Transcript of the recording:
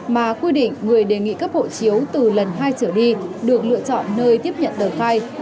mà quy định người đề nghị cấp hộ chiếu từ lần hai trở đi được lựa chọn nơi tiếp nhận tờ khai